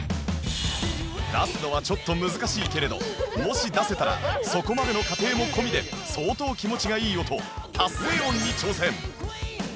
出すのはちょっと難しいけれどもし出せたらそこまでの過程も込みで相当気持ちがいい音達成音に挑戦